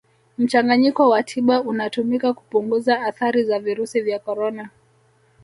Mchanganyiko wa tiba unatumika kupunguza athari za virusi vya Corona